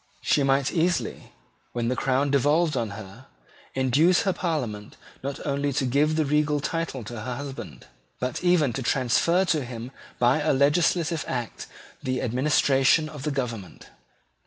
She might easily, when the crown devolved on her, induce her Parliament not only to give the regal title to her husband, but even to transfer to him by a legislative act the administration of the government.